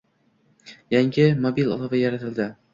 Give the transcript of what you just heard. Yangi mobil ilova yaratilding